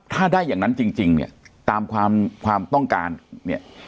ถ้าได้อย่างนั้นจริงเนี่ยตามความความต้องการเนี่ย